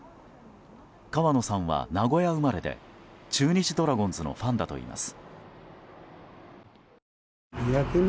川野さんは名古屋生まれで中日ドラゴンズのファンだといいます。